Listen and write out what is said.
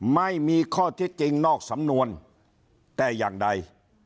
ไม่มีข้อที่จริงนอกสำนวนแต่อย่างใด